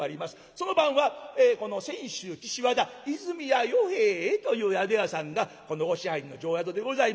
その晩は泉州岸和田和泉屋与兵衛という宿屋さんがこのお支配人の定宿でございまして。